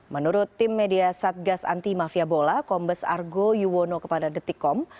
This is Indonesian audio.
menurut tim media satgas anti mafia bola kombes argo yuwono kepada detikkom